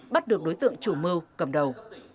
bắt được đối tượng chủ mưu cầm đầu